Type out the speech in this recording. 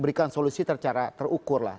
berikan solusi terukur lah